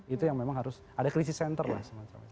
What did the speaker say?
itu yang memang harus ada krisis center lah semacamnya